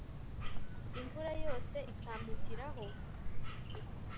imvura yose ikampitiraho!